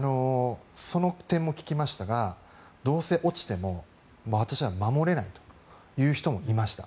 その点も聞きましたら、どうせ落ちても守れないという人もいました。